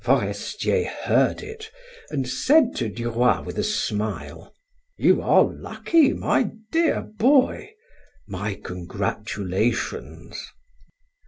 Forestier heard it, and said to Duroy with a smile: "You are lucky, my dear boy. My congratulations!"